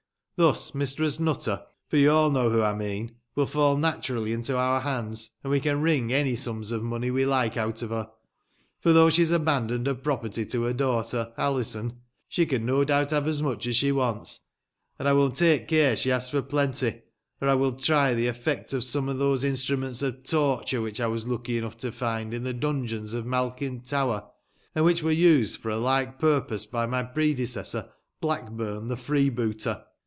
Thus, Mistress Nutter, for you all know whom I mean, will fall naturaJly into our haiids, and we can wring any sums of money we like out of her ; for though she has abandoned her property to her daughter, Alizon, she can no doubt have as much as she wants, and I will take care she asks for plenty, or I will try the efEect of some of those Instruments of torture, which I was lucky enough to find in the dungeons of Malkin Tower, and which were used for a like purpose by my predecessor, Blackburn, the freebooter.